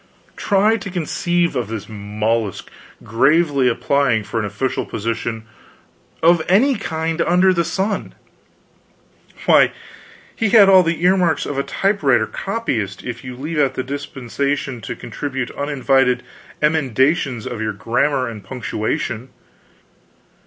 Try to conceive of this mollusk gravely applying for an official position, of any kind under the sun! Why, he had all the earmarks of a typewriter copyist, if you leave out the disposition to contribute uninvited emendations of your grammar and punctuation.